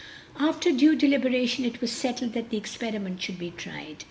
After due deliberation it was settled that the experiment should be tried.